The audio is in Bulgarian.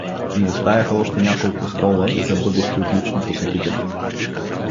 Но остаяха още няколко стола за бъдещи отлични посетители.